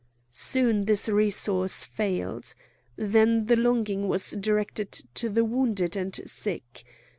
Soon this resource failed. Then the longing was directed to the wounded and sick.